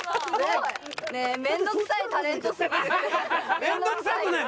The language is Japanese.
面倒くさくない。